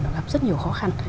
nó gặp rất nhiều khó khăn